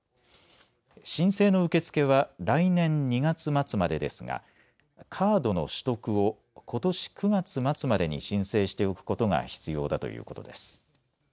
申請の受け付けは来年２月末までですがカードの取得をことし９月末までに申請しておくことが必要だということです。